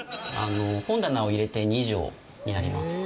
本棚を入れて２畳になります。